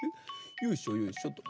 よいしょよいしょっと。